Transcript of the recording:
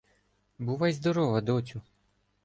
— Бувай здорова, доцю!